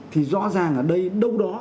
thì rõ ràng ở đây đâu đó